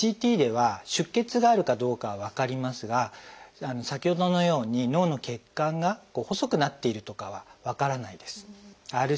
ＣＴでは出血があるかどうかは分かりますが先ほどのように脳の血管が細くなっているとかは分からないです。